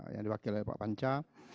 yang diwakili pak panca